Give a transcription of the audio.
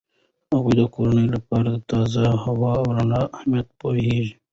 هغه د کورنۍ لپاره د تازه هوا او رڼا اهمیت پوهیږي.